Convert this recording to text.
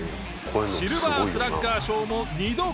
シルバースラッガー賞も２度獲得。